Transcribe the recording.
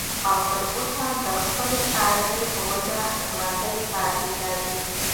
او تر اوسه د خپلې شاعرۍ پۀ وجه ژوندی پاتې دی